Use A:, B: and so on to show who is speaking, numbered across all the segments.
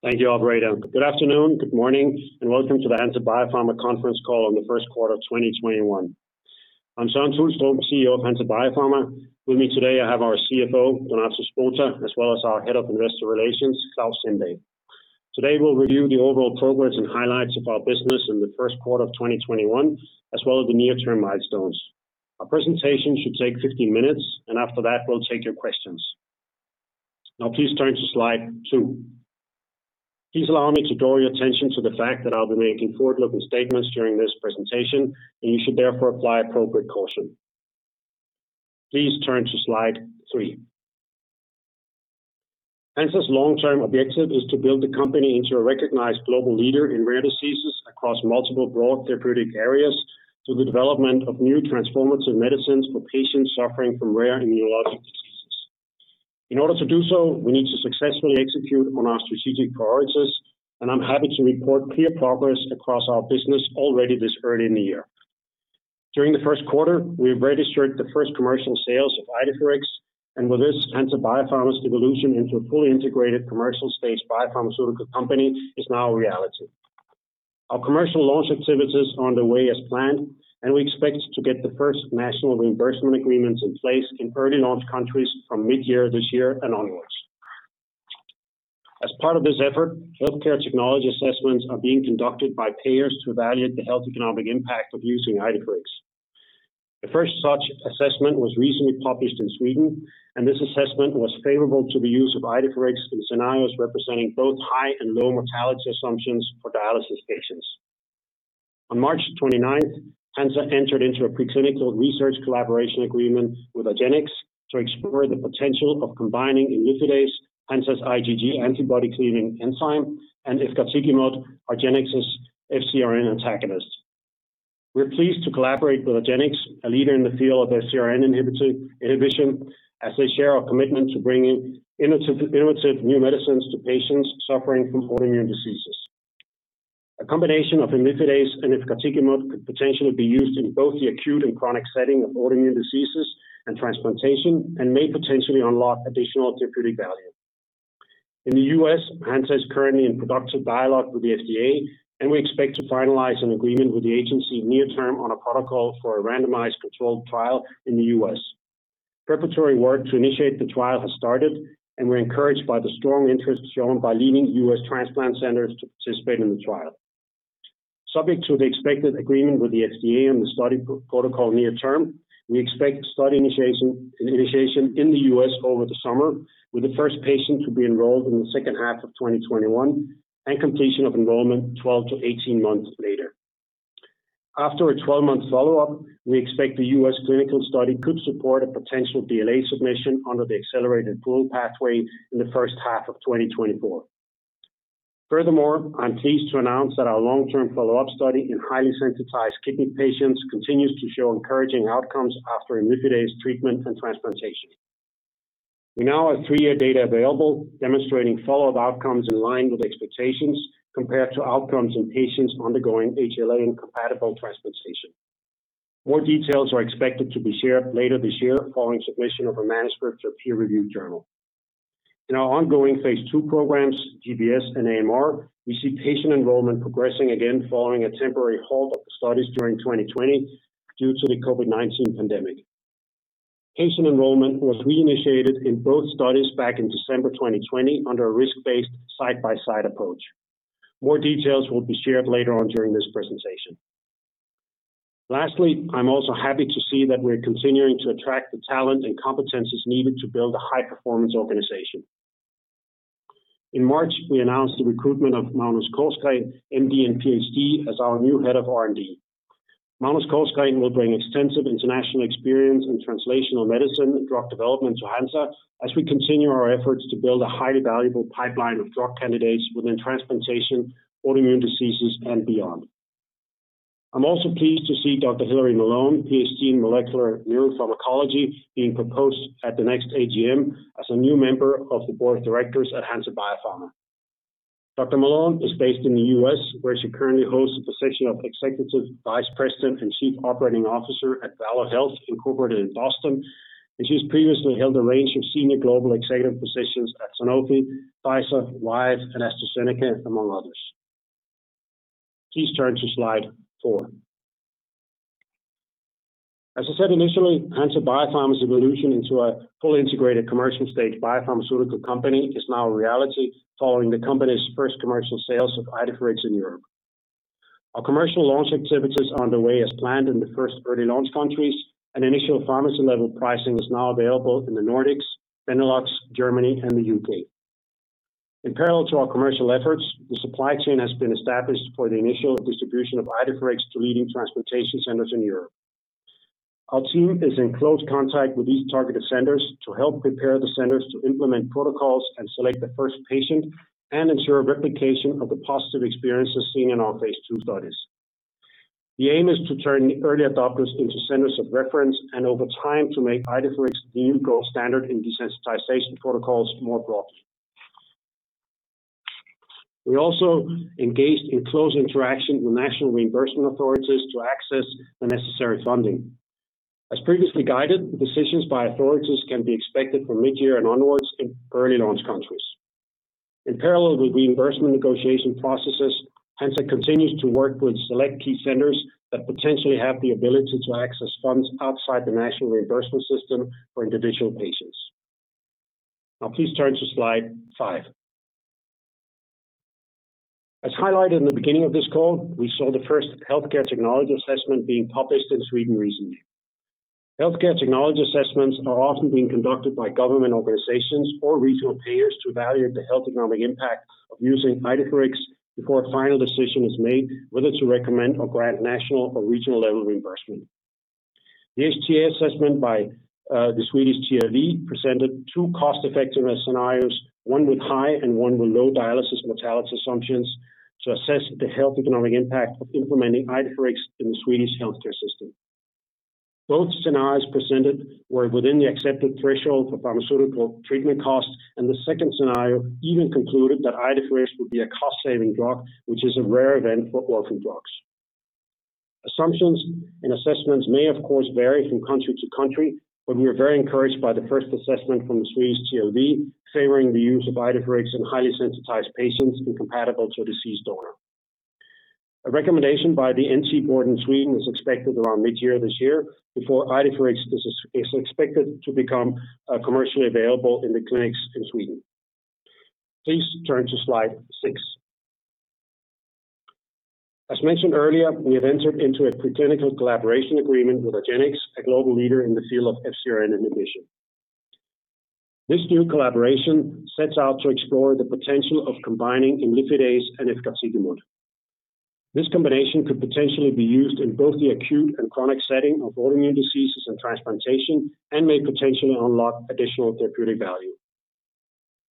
A: Thank you, Alfredo. Good afternoon, good morning, and welcome to the Hansa Biopharma conference call on the first quarter of 2021. I'm Søren Tulstrup, CEO of Hansa Biopharma. With me today, I have our CFO, Donato Spota, as well as our Head of Investor Relations, Klaus Sindahl. Today, we'll review the overall progress and highlights of our business in the first quarter of 2021, as well as the near-term milestones. Our presentation should take 15 minutes. After that, we'll take your questions. Please turn to slide two. Please allow me to draw your attention to the fact that I'll be making forward-looking statements during this presentation. You should therefore apply appropriate caution. Please turn to slide three. Hansa's long-term objective is to build the company into a recognized global leader in rare diseases across multiple broad therapeutic areas through the development of new transformative medicines for patients suffering from rare immunologic diseases. In order to do so, we need to successfully execute on our strategic priorities, and I'm happy to report clear progress across our business already this early in the year. During the first quarter, we registered the first commercial sales of Idefirix, and with this, Hansa Biopharma's evolution into a fully integrated commercial-stage biopharmaceutical company is now a reality. Our commercial launch activities are underway as planned, and we expect to get the first national reimbursement agreements in place in early launch countries from mid-year this year and onwards. As part of this effort, healthcare technology assessments are being conducted by payers to evaluate the health economic impact of using Idefirix. The first such assessment was recently published in Sweden, and this assessment was favorable to the use of Idefirix in scenarios representing both high and low mortality assumptions for dialysis patients. On March 29th, Hansa entered into a preclinical research collaboration agreement with argenx to explore the potential of combining imlifidase, Hansa's IgG antibody-cleaving enzyme, and efgartigimod, argenx's FcRn antagonist. We're pleased to collaborate with argenx, a leader in the field of FcRn inhibition, as they share our commitment to bringing innovative new medicines to patients suffering from autoimmune diseases. A combination of imlifidase and efgartigimod could potentially be used in both the acute and chronic setting of autoimmune diseases and transplantation and may potentially unlock additional therapeutic value. In the U.S., Hansa is currently in productive dialogue with the FDA, and we expect to finalize an agreement with the agency near-term on a protocol for a randomized controlled trial in the U.S. Preparatory work to initiate the trial has started, and we're encouraged by the strong interest shown by leading U.S. transplant centers to participate in the trial. Subject to the expected agreement with the FDA on the study protocol near term, we expect study initiation in the U.S. over the summer, with the first patient to be enrolled in the second half of 2021 and completion of enrollment 12-18 months later. After a 12-month follow-up, we expect the U.S. clinical study could support a potential BLA submission under the Accelerated Approval Pathway in the first half of 2024. Furthermore, I'm pleased to announce that our long-term follow-up study in highly sensitized kidney patients continues to show encouraging outcomes after imlifidase treatment and transplantation. We now have 3-year data available demonstrating follow-up outcomes in line with expectations compared to outcomes in patients undergoing HLA-incompatible transplantation. More details are expected to be shared later this year following submission of a manuscript to a peer-reviewed journal. In our ongoing Phase II programs, GBS and AMR, we see patient enrollment progressing again following a temporary halt of the studies during 2020 due to the COVID-19 pandemic. Patient enrollment was reinitiated in both studies back in December 2020 under a risk-based side-by-side approach. More details will be shared later on during this presentation. Lastly, I'm also happy to see that we're continuing to attract the talent and competencies needed to build a high-performance organization. In March, we announced the recruitment of Magnus Korsgren, M.D. and Ph.D., as our new head of R&D. Magnus Korsgren will bring extensive international experience in translational medicine and drug development to Hansa as we continue our efforts to build a highly valuable pipeline of drug candidates within transplantation, autoimmune diseases, and beyond. I am also pleased to see Dr. Hilary Malone, Ph.D. in molecular neuropharmacology, being proposed at the next AGM as a new member of the board of directors at Hansa Biopharma. Dr. Malone is based in the U.S., where she currently holds the position of Executive Vice President and Chief Operating Officer at Valo Health, Inc. in Boston, and she has previously held a range of senior global executive positions at Sanofi, Pfizer, Wyeth, and AstraZeneca, among others. Please turn to slide four. As I said initially, Hansa Biopharma's evolution into a fully integrated commercial-stage biopharmaceutical company is now a reality following the company's first commercial sales of Idefirix in Europe. Our commercial launch activities are underway as planned in the first early launch countries. Initial pharmacy-level pricing is now available in the Nordics, Benelux, Germany, and the U.K. In parallel to our commercial efforts, the supply chain has been established for the initial distribution of Idefirix to leading transplantation centers in Europe. Our team is in close contact with these targeted centers to help prepare the centers to implement protocols and select the first patient and ensure replication of the positive experiences seen in our phase II studies. The aim is to turn early adopters into centers of reference and, over time, to make Idefirix the new gold standard in desensitization protocols more broadly. We also engaged in close interaction with national reimbursement authorities to access the necessary funding. As previously guided, decisions by authorities can be expected from mid-year and onwards in early launch countries. In parallel with reimbursement negotiation processes, Hansa continues to work with select key centers that potentially have the ability to access funds outside the national reimbursement system for individual patients. Now please turn to Slide 5. As highlighted in the beginning of this call, we saw the first healthcare technology assessment being published in Sweden recently. Healthcare technology assessments are often being conducted by government organizations or regional payers to evaluate the health economic impact of using Idefirix before a final decision is made whether to recommend or grant national or regional-level reimbursement. The HTA assessment by the Swedish TLV presented two cost-effectiveness scenarios, one with high and one with low dialysis mortality assumptions, to assess the health economic impact of implementing Idefirix in the Swedish healthcare system. Both scenarios presented were within the accepted threshold for pharmaceutical treatment costs. The second scenario even concluded that Idefirix would be a cost-saving drug, which is a rare event for orphan drugs. Assumptions and assessments may, of course, vary from country to country. We are very encouraged by the first assessment from the Swedish TLV favoring the use of Idefirix in highly sensitized patients incompatible to a deceased donor. A recommendation by the NT-rådet in Sweden is expected around mid-year this year before Idefirix is expected to become commercially available in the clinics in Sweden. Please turn to Slide six. As mentioned earlier, we have entered into a pre-clinical collaboration agreement with argenx, a global leader in the field of FcRn inhibition. This new collaboration sets out to explore the potential of combining imlifidase and efgartigimod. This combination could potentially be used in both the acute and chronic setting of autoimmune diseases and transplantation and may potentially unlock additional therapeutic value.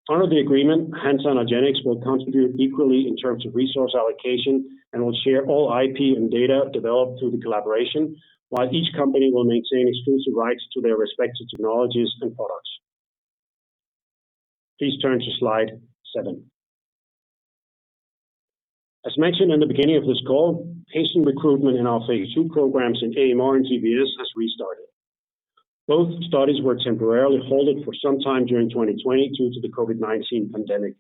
A: Under the agreement, Hansa and argenx will contribute equally in terms of resource allocation and will share all IP and data developed through the collaboration, while each company will maintain exclusive rights to their respective technologies and products. Please turn to Slide 7. As mentioned in the beginning of this call, patient recruitment in our phase II programs in AMR and GBS has restarted. Both studies were temporarily halted for some time during 2020 due to the COVID-19 pandemic.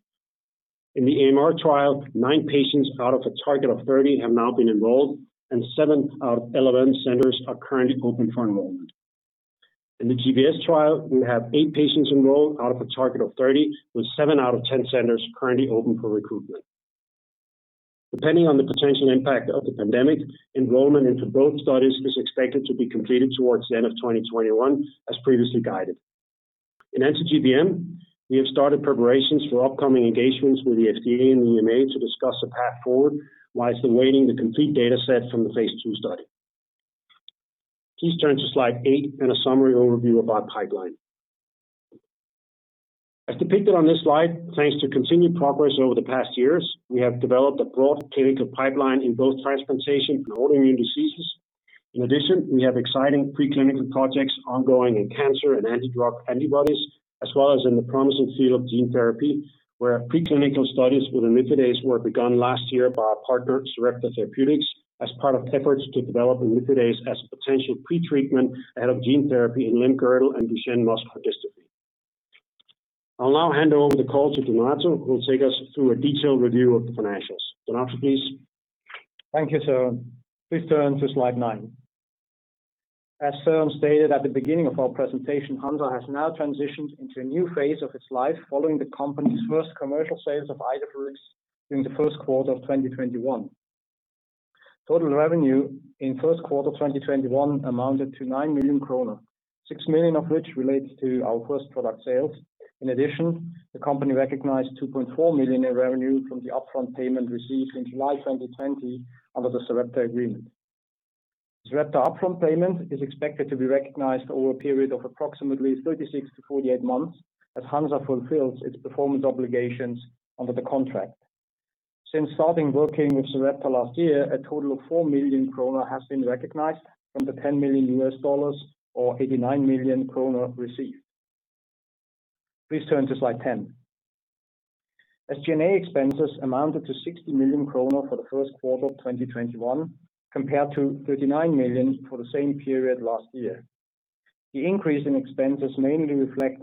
A: In the AMR trial, nine patients out of a target of 30 have now been enrolled. Seven out of 11 centers are currently open for enrollment. In the GBS trial, we have eight patients enrolled out of a target of 30, with seven out of 10 centers currently open for recruitment. Depending on the potential impact of the pandemic, enrollment into both studies is expected to be completed towards the end of 2021, as previously guided. In anti-GBM, we have started preparations for upcoming engagements with the FDA and the EMA to discuss a path forward whilst awaiting the complete data set from the phase II study. Please turn to Slide eight and a summary overview of our pipeline. As depicted on this slide, thanks to continued progress over the past years, we have developed a broad clinical pipeline in both transplantation and autoimmune diseases. In addition, we have exciting pre-clinical projects ongoing in cancer and anti-drug antibodies, as well as in the promising field of gene therapy, where pre-clinical studies with imlifidase work begun last year by our partner, Sarepta Therapeutics, as part of efforts to develop imlifidase as a potential pre-treatment ahead of gene therapy in limb-girdle and Duchenne muscular dystrophy. I'll now hand over the call to Donato, who will take us through a detailed review of the financials. Donato, please.
B: Thank you, Søren. Please turn to Slide 9. As Søren stated at the beginning of our presentation, Hansa has now transitioned into a new phase of its life following the company's first commercial sales of Idefirix during the first quarter of 2021. Total revenue in first quarter 2021 amounted to 9 million kronor, 6 million of which relates to our first product sales. In addition, the company recognized 2.4 million in revenue from the upfront payment received in July 2020 under the Sarepta agreement. Sarepta upfront payment is expected to be recognized over a period of approximately 36-48 months as Hansa fulfills its performance obligations under the contract. Since starting working with Sarepta last year, a total of 4 million krona has been recognized from the $10 million, or 89 million krona, received. Please turn to Slide 10. G&A expenses amounted to 60 million kronor for the first quarter of 2021, compared to 39 million for the same period last year. The increase in expenses mainly reflects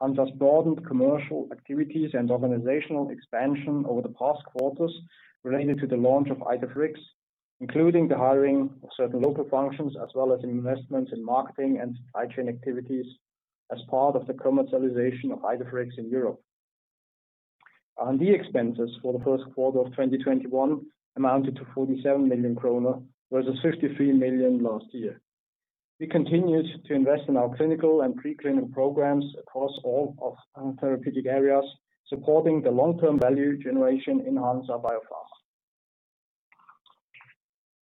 B: Hansa's broadened commercial activities and organizational expansion over the past quarters related to the launch of Idefirix, including the hiring of certain local functions as well as investments in marketing and supply chain activities as part of the commercialization of Idefirix in Europe. R&D expenses for the first quarter of 2021 amounted to 47 million kronor, versus 53 million last year. We continued to invest in our clinical and pre-clinical programs across all of therapeutic areas, supporting the long-term value generation in Hansa Biopharma.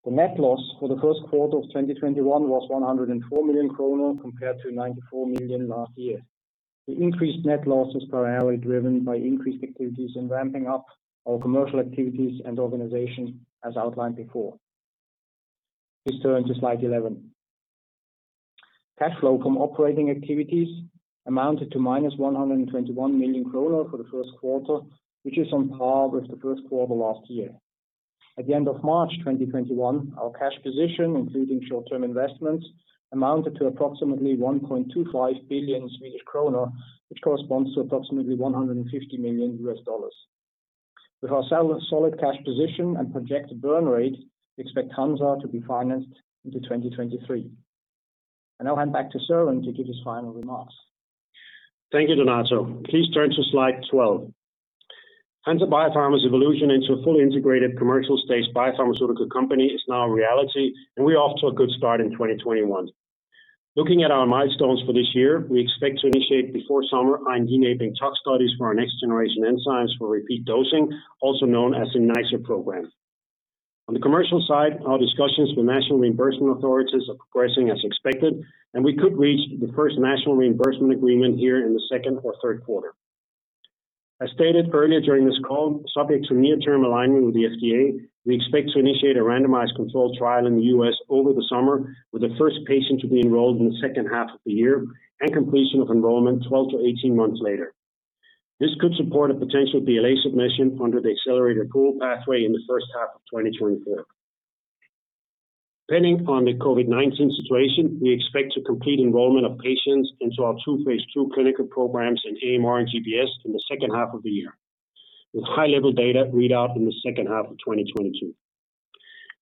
B: The net loss for the first quarter of 2021 was 104 million kronor, compared to 94 million last year. The increased net loss is primarily driven by increased activities in ramping up our commercial activities and organization, as outlined before. Please turn to Slide 11. Cash flow from operating activities amounted to minus 121 million kronor for the first quarter, which is on par with the first quarter last year. At the end of March 2021, our cash position, including short-term investments, amounted to approximately 1.25 billion Swedish kronor, which corresponds to approximately $150 million. With our solid cash position and projected burn rate, we expect Hansa to be financed into 2023. I now hand back to Søren to give his final remarks.
A: Thank you, Donato. Please turn to slide 12. Hansa Biopharma's evolution into a fully integrated commercial-stage biopharmaceutical company is now a reality. We are off to a good start in 2021. Looking at our milestones for this year, we expect to initiate before summer, IND-enabling tox studies for our next-generation enzymes for repeat dosing, also known as NiceR program. On the commercial side, our discussions with national reimbursement authorities are progressing as expected. We could reach the first national reimbursement agreement here in the second or third quarter. I stated earlier during this call, subject to near-term alignment with the FDA, we expect to initiate a randomized control trial in the U.S. over the summer, with the first patient to be enrolled in the second half of the year and completion of enrollment 12-18 months later. This could support a potential BLA submission under the Accelerated Approval Pathway in the first half of 2024. Depending on the COVID-19 situation, we expect to complete enrollment of patients into our two phase II clinical programs in AMR and GBS in the second half of the year, with high-level data readout in the second half of 2022.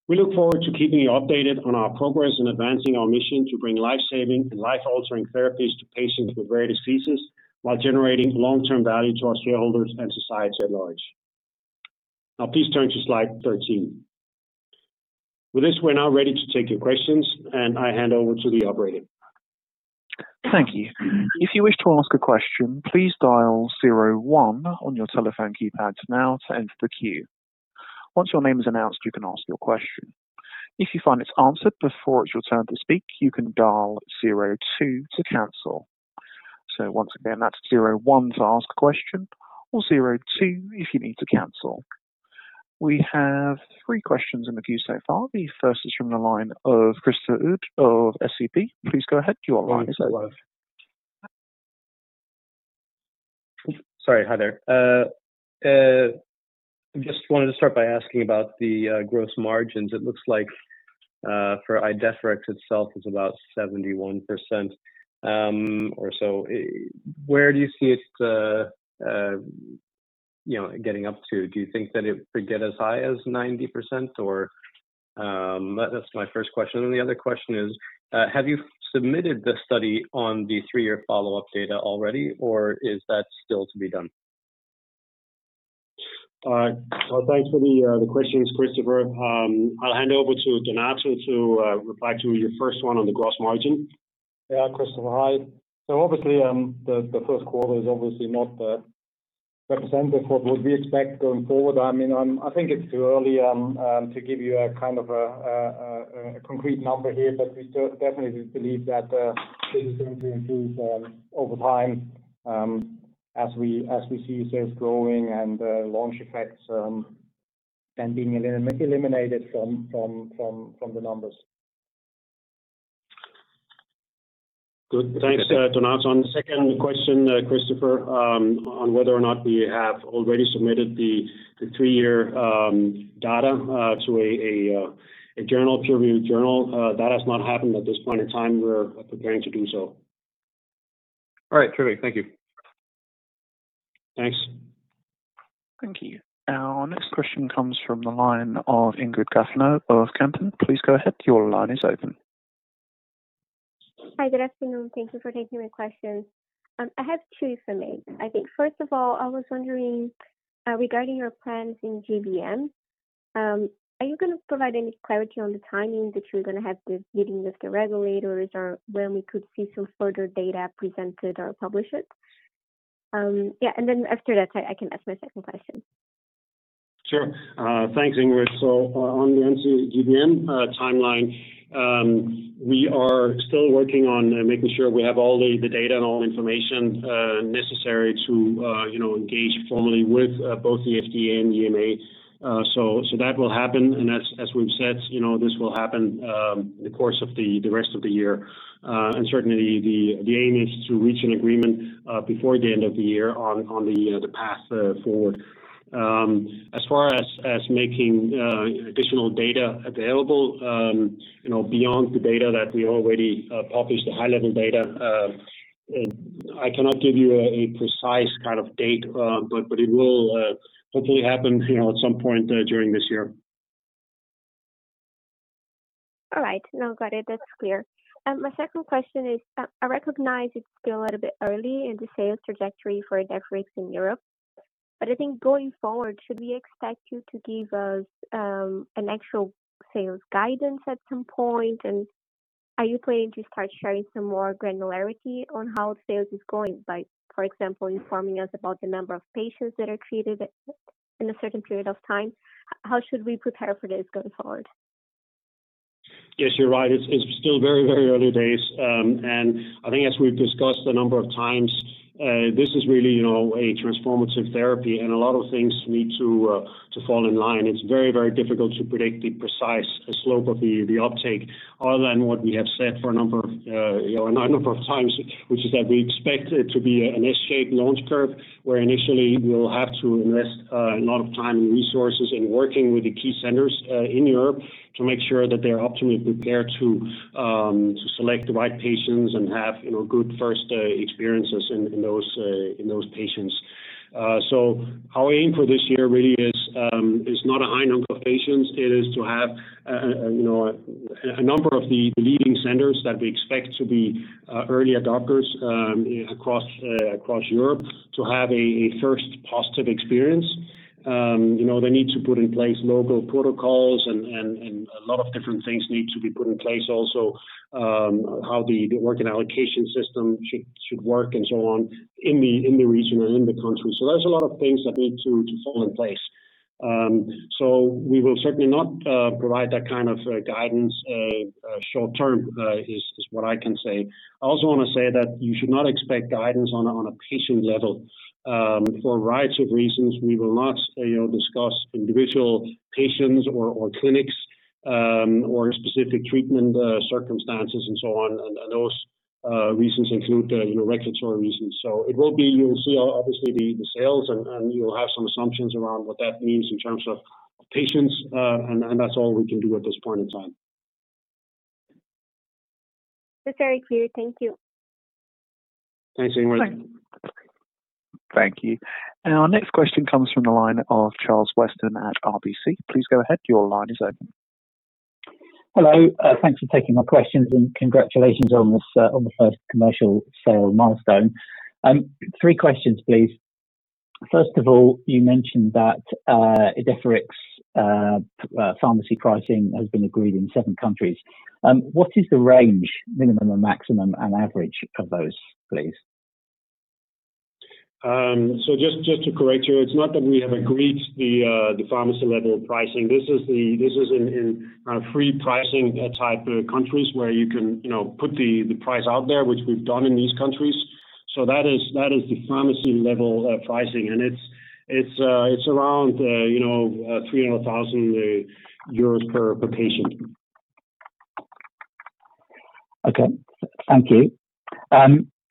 A: We look forward to keeping you updated on our progress in advancing our mission to bring life-saving and life-altering therapies to patients with rare diseases, while generating long-term value to our shareholders and society at large. Please turn to slide 13. With this, we are now ready to take your questions, and I hand over to the operator.
C: Thank you. If you wish to ask a question, please dial zero one on your telephone keypads now to enter the queue. Once your name is announced, you can ask your question. If you find it's answered before it's your turn to speak, you can dial zero two to cancel. Once again, that's zero one to ask a question or zero two if you need to cancel. We have three questions in the queue so far. The first is from the line of Christopher Udy of SEB. Please go ahead. Your line is open.
D: Sorry. Hi there. Just wanted to start by asking about the gross margins. It looks like for Idefirix itself is about 71% or so. Where do you see it getting up to? Do you think that it could get as high as 90%? That's my first question. The other question is, have you submitted the study on the three-year follow-up data already, or is that still to be done?
A: All right. Well, thanks for the questions, Christopher. I'll hand over to Donato to reply to your first one on the gross margin.
B: Yeah, Christopher. Hi. Obviously, the first quarter is obviously not representative of what we expect going forward. I think it's too early to give you a concrete number here, but we definitely believe that this is going to improve over time as we see sales growing and launch effects then being eliminated from the numbers.
A: Good. Thanks, Donato. On the second question, Christopher, on whether or not we have already submitted the three-year data to a peer-reviewed journal, that has not happened at this point in time. We're preparing to do so.
D: All right. Terrific. Thank you.
A: Thanks.
C: Thank you. Our next question comes from the line of Ingrid Kapferer of Camden. Please go ahead. Your line is open.
E: Hi. Good afternoon. Thank you for taking my questions. I have two for me, I think. First of all, I was wondering regarding your plans in GBM, are you going to provide any clarity on the timing that you're going to have the meeting with the regulators, or when we could see some further data presented or published? Yeah. Then after that, I can ask my second question.
A: Sure. Thanks, Ingrid. On the GBM timeline, we are still working on making sure we have all the data and all information necessary to engage formally with both the FDA and EMA. That will happen, and as we've said, this will happen in the course of the rest of the year. Certainly, the aim is to reach an agreement before the end of the year on the path forward. As far as making additional data available beyond the data that we already published, the high-level data, I cannot give you a precise date, but it will hopefully happen at some point during this year.
E: All right. No, got it. That's clear. My second question is, I recognize it's still a little bit early in the sales trajectory for Idefirix in Europe. I think going forward, should we expect you to give us an actual sales guidance at some point? Are you planning to start sharing some more granularity on how sales is going, like for example, informing us about the number of patients that are treated in a certain period of time? How should we prepare for this going forward?
A: Yes, you're right. It's still very early days. I think as we've discussed a number of times. This is really a transformative therapy, and a lot of things need to fall in line. It's very difficult to predict the precise slope of the uptake other than what we have said for a number of times, which is that we expect it to be an S-shaped launch curve, where initially we'll have to invest a lot of time and resources in working with the key centers in Europe to make sure that they're optimally prepared to select the right patients and have good first experiences in those patients. Our aim for this year really is not a high number of patients. It is to have a number of the leading centers that we expect to be early adopters across Europe to have a first positive experience. They need to put in place local protocols and a lot of different things need to be put in place also, how the work and allocation system should work and so on in the region or in the country. There's a lot of things that need to fall in place. We will certainly not provide that kind of guidance short-term, is what I can say. I also want to say that you should not expect guidance on a patient level. For a variety of reasons, we will not discuss individual patients or clinics or specific treatment circumstances and so on. Those reasons include regulatory reasons. You will see, obviously, the sales and you'll have some assumptions around what that means in terms of patients, and that's all we can do at this point in time.
E: That's very clear. Thank you.
A: Thanks, Ingrid.
E: Bye.
C: Thank you. Our next question comes from the line of Charles Weston at RBC. Please go ahead.
F: Hello. Thanks for taking my questions, and congratulations on the first commercial sale milestone. Three questions, please. First of all, you mentioned that Idefirix's pharmacy pricing has been agreed in seven countries. What is the range, minimum and maximum and average of those, please?
A: Just to correct you, it's not that we have agreed the pharmacy-level pricing. This is in free pricing type of countries where you can put the price out there, which we've done in these countries. That is the pharmacy-level pricing, and it's around 300,000 euros per patient.
F: Okay. Thank you.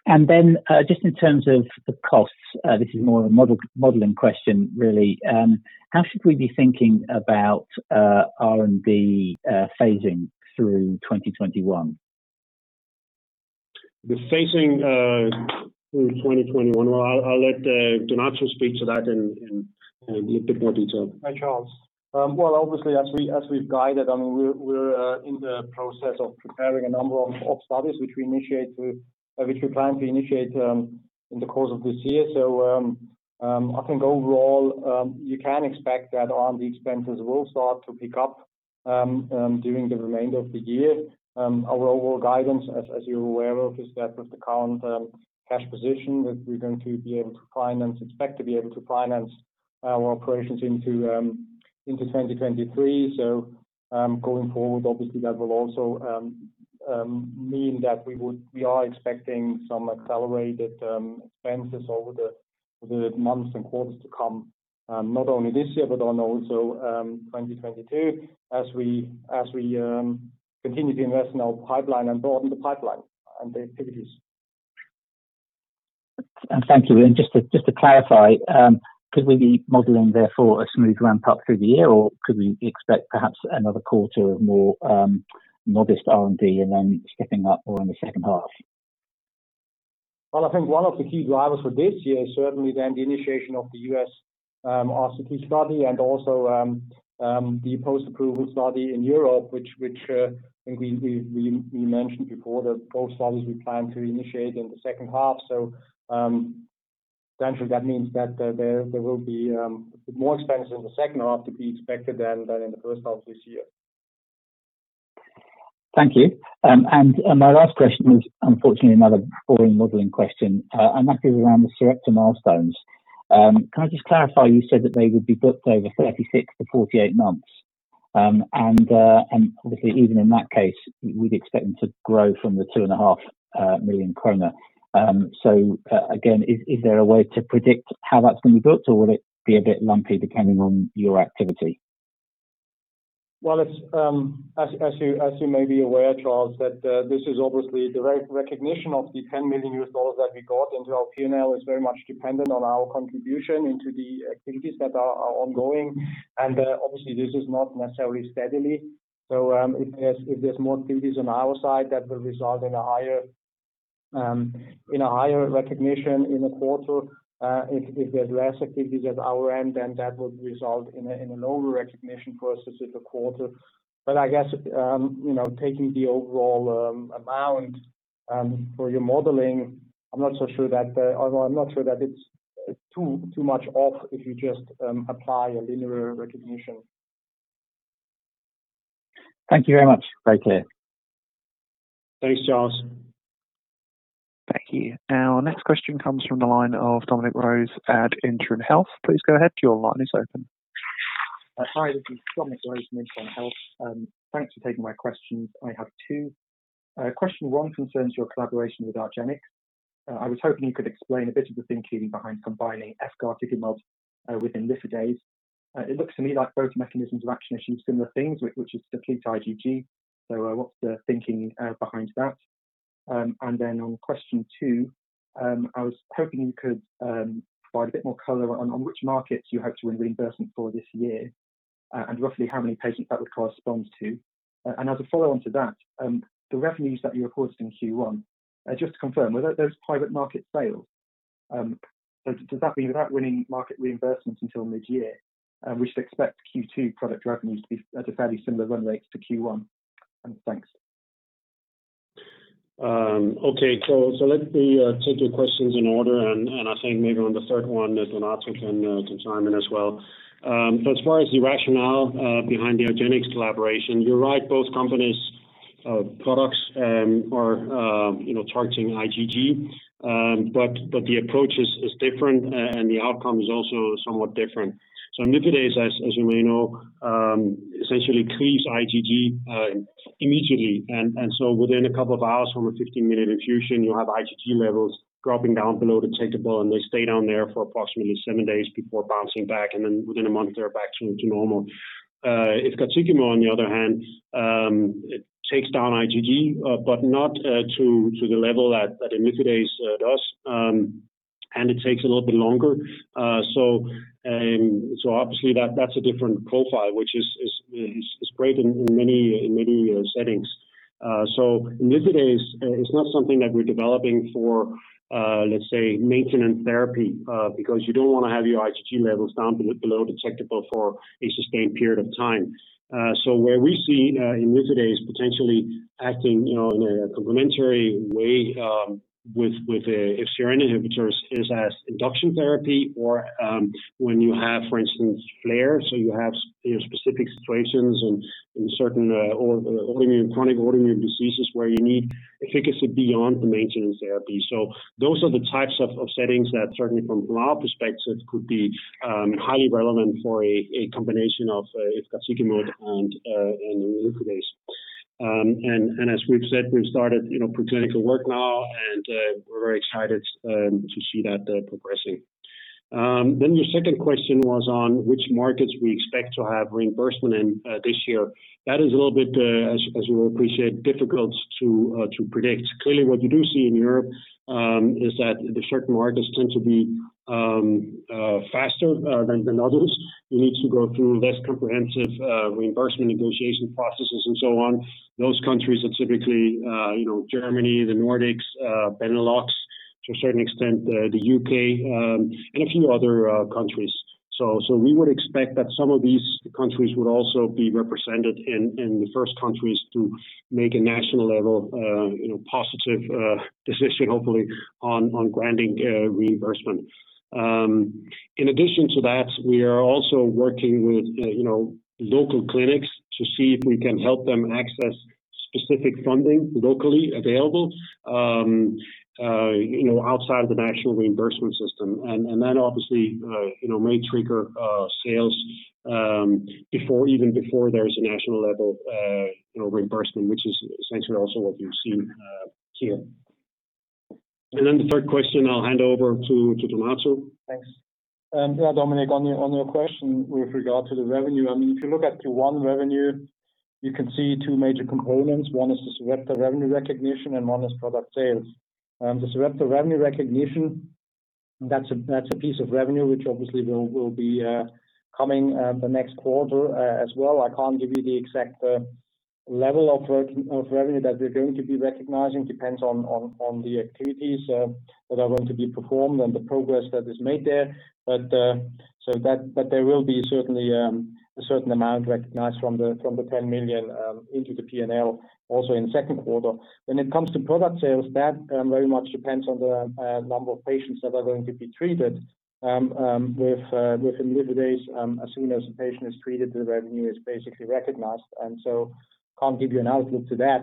F: Then just in terms of the costs, this is more of a modeling question, really. How should we be thinking about R&D phasing through 2021?
A: The phasing through 2021. I'll let Donato speak to that in a little bit more detail.
B: Hi, Charles. Well, obviously, as we've guided, we're in the process of preparing a number of studies which we plan to initiate in the course of this year. I think overall, you can expect that R&D expenses will start to pick up during the remainder of the year. Our overall guidance, as you're aware of, is that with the current cash position, that we're going to be able to finance, expect to be able to finance our operations into 2023. Going forward, obviously that will also mean that we are expecting some accelerated expenses over the months and quarters to come. Not only this year but on also 2022 as we continue to invest in our pipeline and broaden the pipeline and the activities.
F: Thank you. Just to clarify, could we be modeling therefore a smooth ramp-up through the year, or could we expect perhaps another quarter of more modest R&D and then stepping up more in the second half?
B: Well, I think one of the key drivers for this year is certainly then the initiation of the U.S. RCT study and also the post-approval study in Europe, which I think we mentioned before that both studies we plan to initiate in the second half. Essentially that means that there will be more expenses in the second half to be expected than in the first half of this year.
F: Thank you. My last question is unfortunately another boring modeling question and that is around the Sarepta milestones. Can I just clarify? You said that they would be booked over 36-48 months. Obviously even in that case, we'd expect them to grow from the 2.5 million kronor. Again, is there a way to predict how that's going to be booked or will it be a bit lumpy depending on your activity?
B: As you may be aware, Charles, that this is obviously the recognition of the SEK 10 million that we got into our P&L is very much dependent on our contribution into the activities that are ongoing. Obviously this is not necessarily steadily. If there's more activities on our side that will result in a higher recognition in a quarter. If there's less activities at our end, that would result in a lower recognition for us as a quarter. I guess taking the overall amount for your modeling, I'm not sure that it's too much off if you just apply a linear recognition.
F: Thank you very much. Very clear.
A: Thanks, Charles.
C: Thank you. Our next question comes from the line of Dominic Waite at Intune Health. Please go ahead. Your line is open.
G: Hi, this is Dominic Waite from Intune Health. Thanks for taking my questions. I have two. Question one concerns your collaboration with argenx. I was hoping you could explain a bit of the thinking behind combining efgartigimod within Idefirix. It looks to me like both mechanisms of action achieve similar things, which is deplete IgG. What's the thinking behind that? On question two, I was hoping you could provide a bit more color on which markets you hope to win reimbursement for this year, and roughly how many patients that would correspond to. As a follow-on to that, the revenues that you reported in Q1, just to confirm, were those private market sales? Does that mean without winning market reimbursements until mid-year, we should expect Q2 product revenues to be at a fairly similar run rate to Q1? Thanks.
A: Okay. Let me take your questions in order, and I think maybe on the third one, Donato can chime in as well. As far as the rationale behind the argenx collaboration, you're right, both companies' products are targeting IgG. The approach is different, and the outcome is also somewhat different. Imlifidase, as you may know, essentially cleaves IgG immediately. Within a couple of hours from a 15-minute infusion, you'll have IgG levels dropping down below detectable, and they stay down there for approximately seven days before bouncing back, and then within a month, they're back to normal. Efgartigimod, on the other hand, it takes down IgG but not to the level that imlifidase does, and it takes a little bit longer. Obviously that's a different profile, which is great in many settings. imlifidase is not something that we're developing for, let's say, maintenance therapy, because you don't want to have your IgG levels down below detectable for a sustained period of time. Where we see imlifidase potentially acting in a complementary way with FcRn inhibitors is as induction therapy or when you have, for instance, flare. You have specific situations in certain chronic autoimmune diseases where you need efficacy beyond the maintenance therapy. Those are the types of settings that certainly from our perspective, could be highly relevant for a combination of efgartigimod and imlifidase. As we've said, we've started pre-clinical work now, and we're very excited to see that progressing. Your second question was on which markets we expect to have reimbursement in this year. That is a little bit, as you will appreciate, difficult to predict. Clearly, what you do see in Europe is that the certain markets tend to be faster than others. You need to go through less comprehensive reimbursement negotiation processes and so on. Those countries are typically Germany, the Nordics, Benelux, to a certain extent, the U.K., and a few other countries. We would expect that some of these countries would also be represented in the first countries to make a national-level positive decision, hopefully, on granting reimbursement. In addition to that, we are also working with local clinics to see if we can help them access specific funding locally available outside of the national reimbursement system. That obviously may trigger sales even before there's a national level reimbursement, which is essentially also what we've seen here. The third question, I'll hand over to Donato.
G: Thanks.
B: Yeah, Dominic, on your question with regard to the revenue, if you look at Q1 revenue, you can see two major components. One is the Sarepta revenue recognition, one is product sales. The Sarepta revenue recognition, that's a piece of revenue which obviously will be coming the next quarter as well. I can't give you the exact level of revenue that we're going to be recognizing. Depends on the activities that are going to be performed and the progress that is made there. There will be certainly a certain amount recognized from the 10 million into the P&L also in the second quarter. When it comes to product sales, that very much depends on the number of patients that are going to be treated with Idefirix. As soon as the patient is treated, the revenue is basically recognized, can't give you an outlook to that.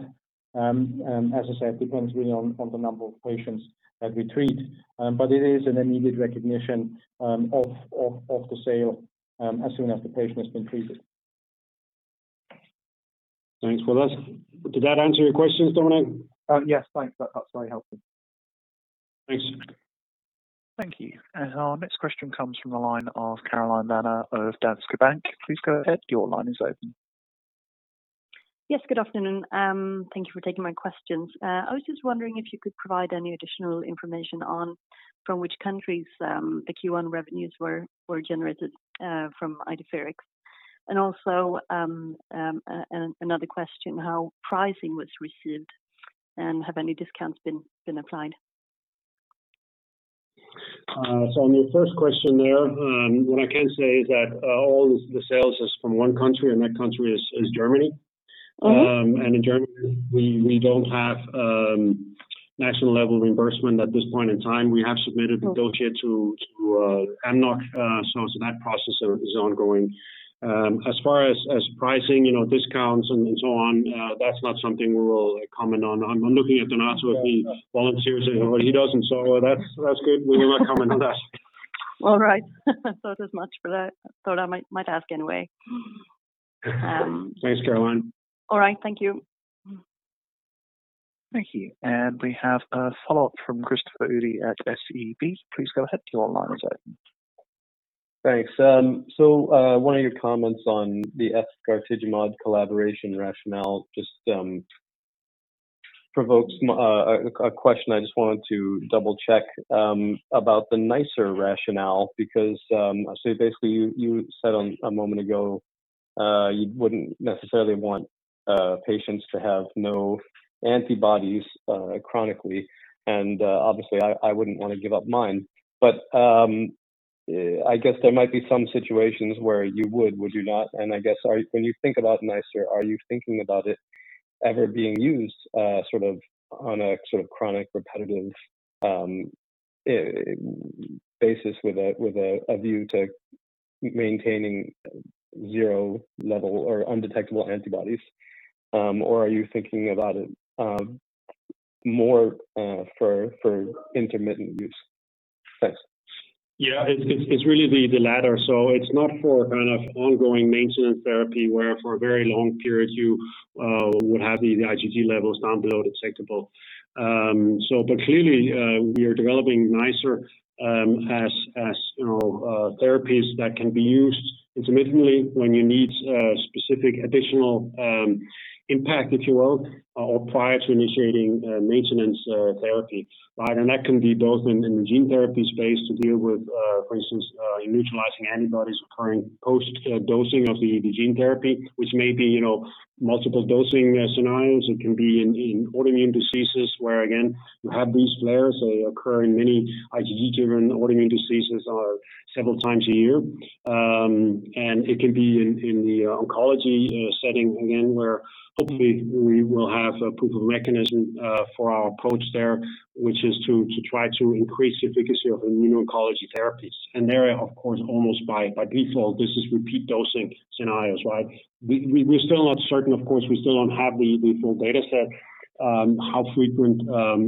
B: As I said, depends really on the number of patients that we treat. It is an immediate recognition of the sale as soon as the patient has been treated.
A: Thanks for that. Did that answer your questions, Dominic?
G: Yes, thanks. That's very helpful.
A: Thanks.
C: Thank you. Our next question comes from the line of Caroline Lanner of Danske Bank. Please go ahead. Your line is open.
H: Yes, good afternoon. Thank you for taking my questions. I was just wondering if you could provide any additional information on from which countries the Q1 revenues were generated from Idefirix. Another question, how pricing was received, and have any discounts been applied?
A: On your first question there, what I can say is that all the sales is from one country, and that country is Germany.
H: All right.
A: In Germany, we don't have national-level reimbursement at this point in time. We have submitted a dossier to AMNOG, so that process is ongoing. As far as pricing, discounts, and so on, that's not something we will comment on. I'm looking at Donato if he volunteers anything. Well, he doesn't, so that's good. We will not comment on that.
H: All right. It is much for that. Thought I might ask anyway.
A: Thanks, Caroline.
H: All right. Thank you.
C: Thank you. We have a follow-up from Christopher Udy at SEB. Please go ahead, your line is open.
D: Thanks. One of your comments on the efgartigimod collaboration rationale just provokes a question I just wanted to double-check about the NiceR rationale, because you said a moment ago you wouldn't necessarily want patients to have no antibodies chronically, and obviously I wouldn't want to give up mine, but I guess there might be some situations where you would you not? I guess, when you think about NiceR, are you thinking about it ever being used on a sort of chronic repetitive basis with a view to maintaining zero level or undetectable antibodies? Or are you thinking about it more for intermittent use? Thanks.
A: Yeah, it's really the latter. It's not for kind of ongoing maintenance therapy where for very long periods you would have the IgG levels down below detectable. Clearly, we are developing NiceR as therapies that can be used intermittently when you need specific additional impact, if you will, or prior to initiating maintenance therapy. Right? That can be both in the gene therapy space to deal with, for instance, neutralizing antibodies occurring post-dosing of the gene therapy, which may be multiple dosing scenarios. It can be in autoimmune diseases where, again, you have these flares. They occur in many IgG-driven autoimmune diseases several times a year. It can be in the oncology setting again, where hopefully we will have a proof of mechanism for our approach there, which is to try to increase the efficacy of immuno-oncology therapies. There, of course, almost by default, this is repeat dosing scenarios, right? We're still not certain, of course, we still don't have the full data set, how frequent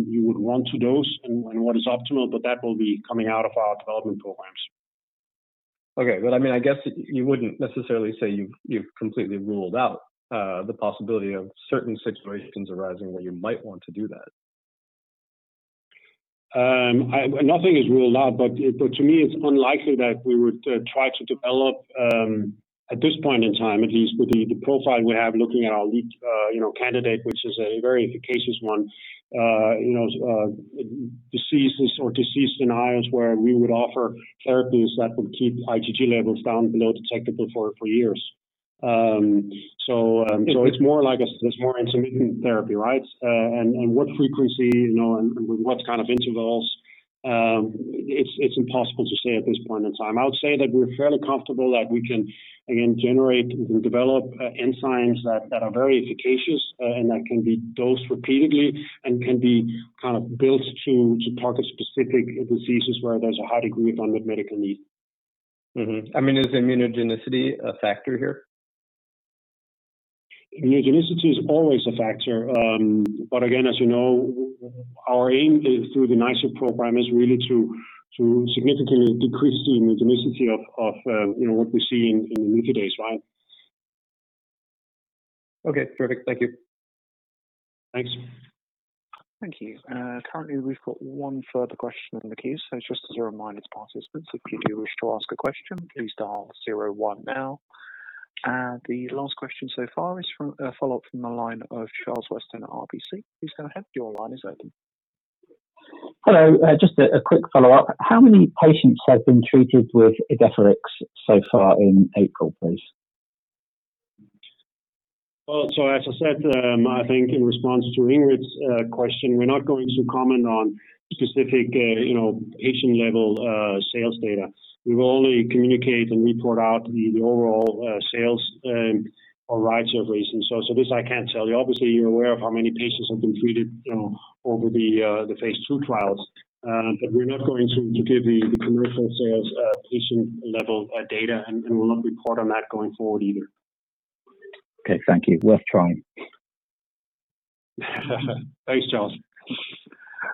A: you would want to dose and what is optimal, but that will be coming out of our development programs.
D: Okay. I guess you wouldn't necessarily say you've completely ruled out the possibility of certain situations arising where you might want to do that.
A: Nothing is ruled out, but to me, it's unlikely that we would try to develop, at this point in time at least, with the profile we have looking at our lead candidate, which is a very efficacious one, diseases or disease scenarios where we would offer therapies that would keep IgG levels down below detectable for years. It's more like a, there's more intermittent therapy, right? What frequency, and with what kind of intervals, it's impossible to say at this point in time. I would say that we're fairly comfortable that we can, again, generate and develop enzymes that are very efficacious and that can be dosed repeatedly and can be kind of built to target specific diseases where there's a high degree of unmet medical need. Mm-hmm.
D: Is immunogenicity a factor here?
A: Immunogenicity is always a factor. Again, as you know, our aim through the NiceR program is really to significantly decrease the immunogenicity of what we see in imlifidase, right?
D: Okay, perfect. Thank you.
A: Thanks.
C: Thank you. Currently, we've got one further question in the queue. Just as a reminder to participants, if you do wish to ask a question, please dial zero one now. The last question so far is a follow-up from the line of Charles Weston at RBC. Please go ahead. Your line is open.
F: Hello. Just a quick follow-up. How many patients have been treated with Idefirix so far in April, please?
A: As I said, I think in response to Ingrid's question, we're not going to comment on specific patient-level sales data. We will only communicate and report out the overall sales or rights of recent. This I can't tell you. Obviously, you're aware of how many patients have been treated over the phase II trials. We're not going to give you the commercial sales patient-level data, and we'll not report on that going forward either.
F: Okay, thank you. Worth trying.
A: Thanks, Charles.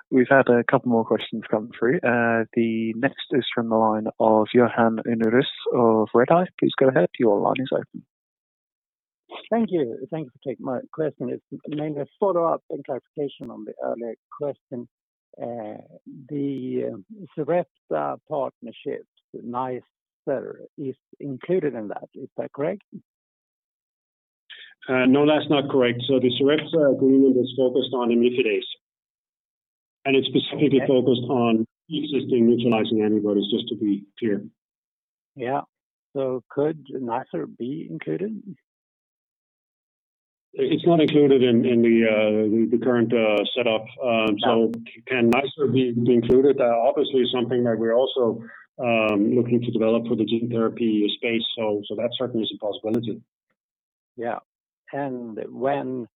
C: We've had a couple more questions come through. The next is from the line of Johan Unnérus of Redeye. Please go ahead. Your line is open.
I: Thank you. Thank you for taking my question. It's mainly a follow-up and clarification on the earlier question. The Sarepta partnership, the NiceR is included in that, is that correct?
A: No, that's not correct. The Sarepta agreement is focused on imlifidase, and it's specifically focused on existing neutralizing antibodies, just to be clear.
I: Yeah. Could NiceR be included?
A: It's not included in the current setup.
I: Yeah.
A: Can NiceR be included? Obviously something that we're also looking to develop for the gene therapy space, so that certainly is a possibility.
I: Yeah. When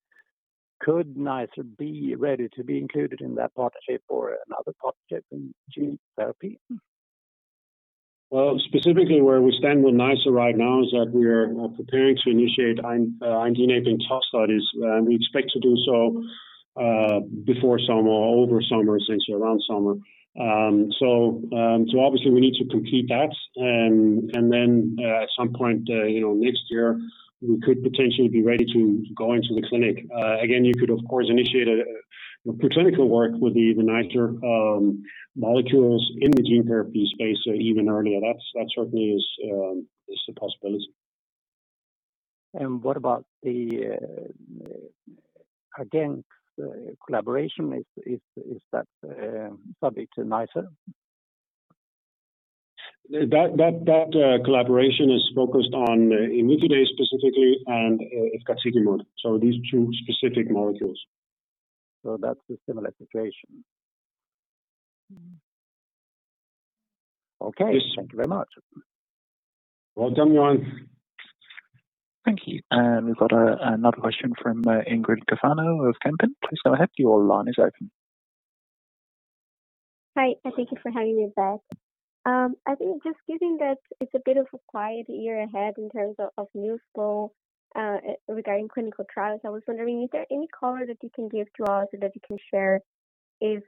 I: could NiceR be ready to be included in that partnership or another partnership in gene therapy?
A: Well, specifically where we stand with NiceR right now is that we are preparing to initiate IND-enabling tox studies. We expect to do so before summer or over summer, essentially around summer. Obviously we need to complete that, and then at some point next year, we could potentially be ready to go into the clinic. Again, you could of course initiate pre-clinical work with the NiceR molecules in the gene therapy space even earlier. That certainly is a possibility.
I: What about the argenx collaboration? Is that subject NiceR?
A: That collaboration is focused on imlifidase specifically and efgartigimod. These two specific molecules.
I: That's a similar situation. Okay. Thank you very much.
A: Welcome, Johan.
C: Thank you. We've got another question from Ingrid Kapferer of Kempen. Please go ahead, your line is open.
E: Hi, thank you for having me back. I think just given that it's a bit of a quiet year ahead in terms of news flow regarding clinical trials, I was wondering, is there any color that you can give to us or that you can share if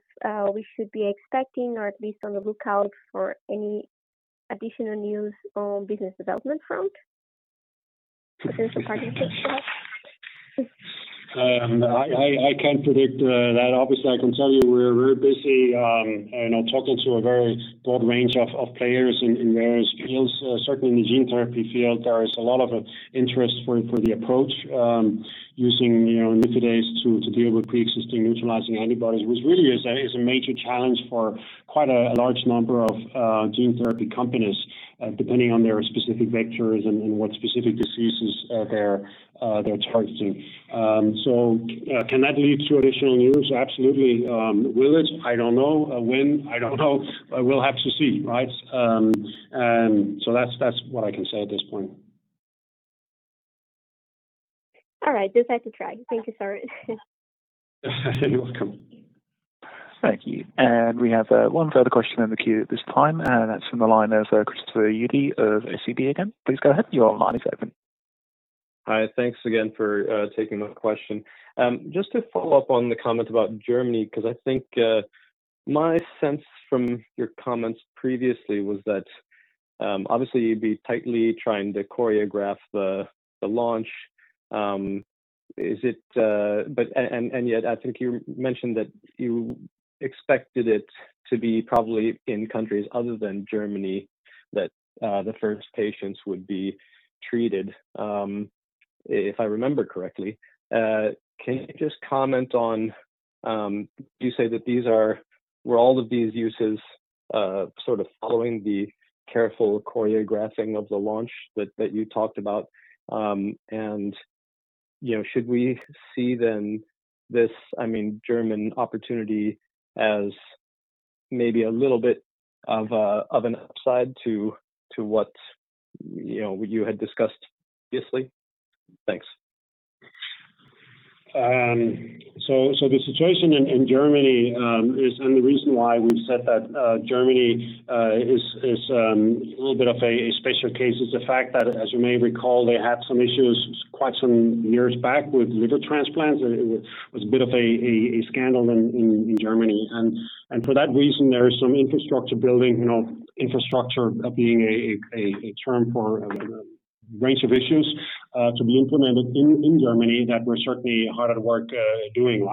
E: we should be expecting or at least on the lookout for any additional news on business development front? Potential partnerships?
A: I can't predict that. Obviously, I can tell you we're very busy talking to a very broad range of players in various fields. Certainly in the gene therapy field, there is a lot of interest for the approach using imlifidase to deal with pre-existing neutralizing antibodies, which really is a major challenge for quite a large number of gene therapy companies, depending on their specific vectors and what specific diseases they're targeting. Can that lead to additional news? Absolutely. Will it? I don't know. When? I don't know. We'll have to see, right? That's what I can say at this point.
E: All right. Just had to try. Thank you, sorry.
A: You're welcome.
C: Thank you. We have one further question in the queue at this time, and that's from the line of Christopher Udy of SEB again. Please go ahead. Your line is open.
D: Hi, thanks again for taking my question. To follow up on the comment about Germany, I think my sense from your comments previously was that obviously you'd be tightly trying to choreograph the launch. Yet I think you mentioned that you expected it to be probably in countries other than Germany that the first patients would be treated, if I remember correctly. Can you just comment on, do you say that these are where all of these uses sort of following the careful choreographing of the launch that you talked about? Should we see then this German opportunity as maybe a little bit of an upside to what you had discussed previously? Thanks.
A: The situation in Germany is, and the reason why we've said that Germany is a little bit of a special case, is the fact that, as you may recall, they had some issues quite some years back with liver transplants. It was a bit of a scandal in Germany. For that reason, there is some infrastructure building, infrastructure being a term for a range of issues to be implemented in Germany that we're certainly hard at work doing.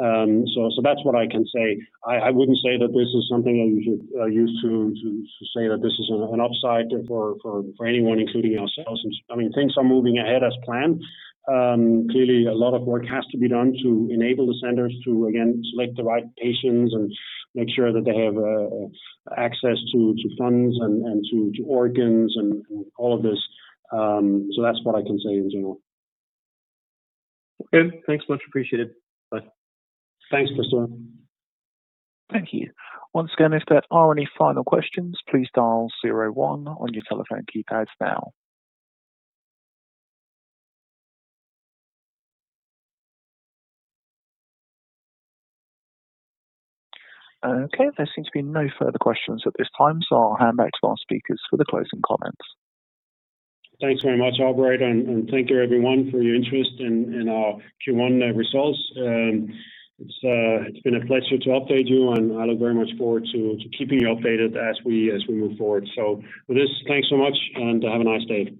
A: That's what I can say. I wouldn't say that this is something that we should use to say that this is an upside for anyone, including ourselves. Things are moving ahead as planned. Clearly, a lot of work has to be done to enable the centers to, again, select the right patients and make sure that they have access to funds and to organs and all of this. That's what I can say in general.
D: Okay. Thanks much. Appreciate it. Bye.
A: Thanks, Christopher.
C: Thank you. Once again, if there are any final questions, please dial zero one on your telephone keypads now. Okay. There seems to be no further questions at this time. I'll hand back to our speakers for the closing comments.
A: Thanks very much, Albright, and thank you everyone for your interest in our Q1 results. It's been a pleasure to update you, and I look very much forward to keeping you updated as we move forward. With this, thanks so much, and have a nice day.